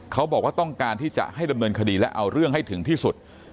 เขาบอกว่าต้องการที่จะให้ดำเนินคดีและเอาเรื่องให้ถึงที่สุด